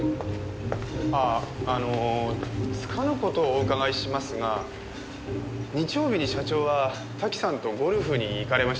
あああのつかぬ事をお伺いしますが日曜日に社長は瀧さんとゴルフに行かれましたよね？